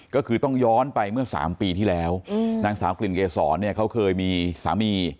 ก็คือต้องย้อนไปเมื่อ๓ปีที่แล้วนางสาวกลิ่นเกษรเนี่ยเขาเคยมีสามี